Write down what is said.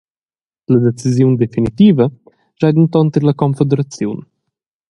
La decisiun definitiva schai denton tier la confederaziun.